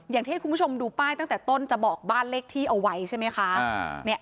อย่างที่ให้คุณผู้ชมดูป้ายตั้งแต่ต้นจะบอกบ้านเลขที่เอาไว้ใช่ไหมคะ